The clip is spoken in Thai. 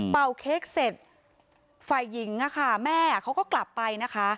เค้กเสร็จฝ่ายหญิงอะค่ะแม่เขาก็กลับไปนะคะ